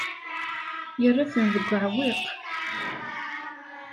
Yerra-ten deg uɛewwiq.